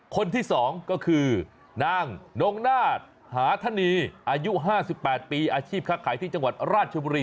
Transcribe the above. คนที่๒ก็คือนางนงนาฏหาธนีอายุ๕๘ปีอาชีพค้าขายที่จังหวัดราชบุรี